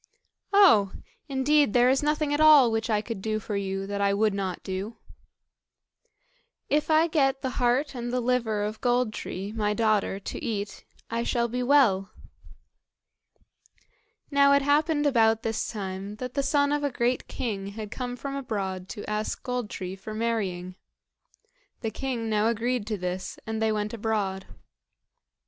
"Oh! indeed there is nothing at all which I could do for you that I would not do." "If I get the heart and the liver of Gold tree, my daughter, to eat, I shall be well." Now it happened about this time that the son of a great king had come from abroad to ask Gold tree for marrying. The king now agreed to this, and they went abroad.